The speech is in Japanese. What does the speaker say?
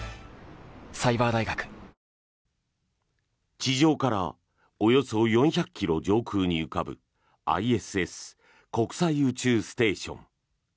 地上からおよそ４００ｋｍ上空に浮かぶＩＳＳ・国際宇宙ステーション。